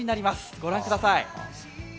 御覧ください。